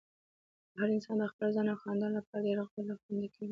هر انسان د خپل ځان او خاندان لپاره ډېره غله خوندې کوي۔